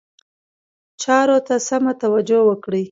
چارو ته سمه توجه وکړي.